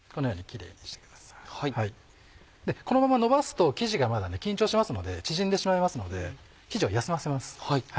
でこのままのばすと生地がまだ緊張してますので縮んでしまいますので生地を休ませます。